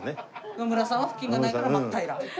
野村さんは腹筋がないから真っ平ら？